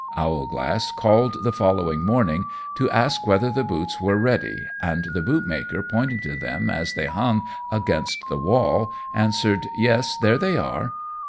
Owlglass called the following morning to ask whether the boots were ready; and the bootmaker, pointing to them as they hung against the wall, answered, "Yes, there they are."